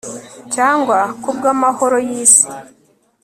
cyangwa kubwamahoro yisi